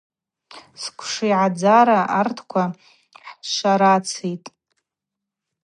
Сквшигӏадза артква хӏшварацитӏ.